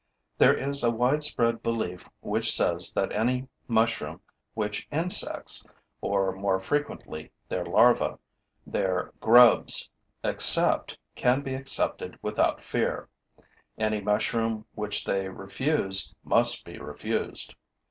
There is a widespread belief which says that any mushroom which insects, or, more frequently, their larvae, their grubs, accept can be accepted without fear; any mushroom which they refuse must be refused.